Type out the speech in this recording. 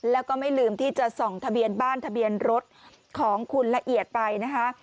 แล้วก็ไม่ลืมที่จะส่องทะเบียนบ้านทะเบียนรถของคุณละเอียดไปนะคะ